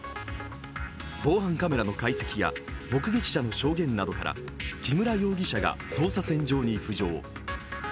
防犯カメラの解析や目撃者の証言などから、木村容疑者が捜査線上に浮上。